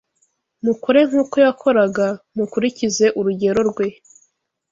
mukore nk’uko yakoraga, mukurikize urugero Rwe.